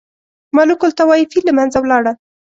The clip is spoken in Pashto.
ملوک الطوایفي له منځه ولاړه.